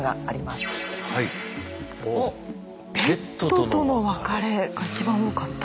「ペットとの別れ」が一番多かったですね。